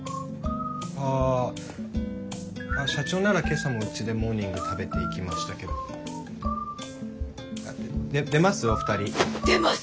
あ社長なら今朝もうちでモーニング食べていきましたけど。出ます？